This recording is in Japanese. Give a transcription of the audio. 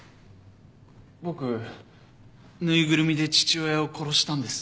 僕ぬいぐるみで父親を殺したんです。